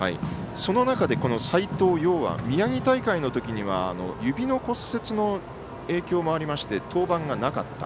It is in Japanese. その中で斎藤蓉は宮城大会のときは指の骨折の影響がありまして登板がなかった。